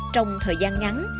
trong thời gian ngắn